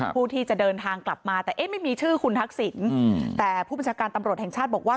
ผู้ที่จะเดินทางกลับมาแต่เอ๊ะไม่มีชื่อคุณทักษิณแต่ผู้บัญชาการตำรวจแห่งชาติบอกว่า